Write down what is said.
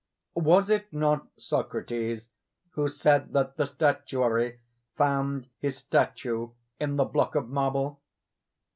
Was it not Socrates who said that the statuary found his statue in the block of marble?